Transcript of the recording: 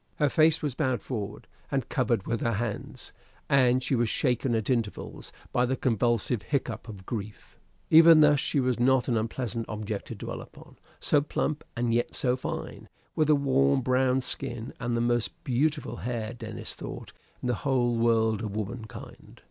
Her face was bowed forward and covered with her hands, and she was shaken at intervals by the convulsive hiccup of grief. Even thus she was not an unpleasant object to dwell upon, so plump and yet so fine, with a warm brown skin, and the most beautiful hair, Denis thought, in the whole world of womankind.